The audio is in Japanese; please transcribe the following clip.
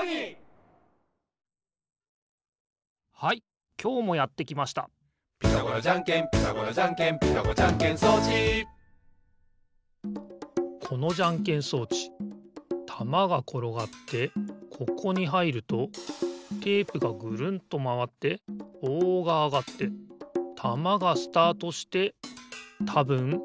はいきょうもやってきました「ピタゴラじゃんけんピタゴラじゃんけん」「ピタゴラじゃんけん装置」このじゃんけん装置たまがころがってここにはいるとテープがぐるんとまわってぼうがあがってたまがスタートしてたぶんグーがでる。